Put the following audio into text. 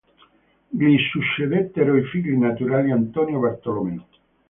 Gli succedettero i figli naturali Antonio e Bartolomeo.